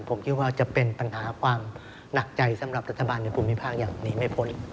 ผมคิดว่าจะเป็นปัญหาความหนักใจสำหรับรัฐบาลในภูมิภาคอย่างหนีไม่พ้น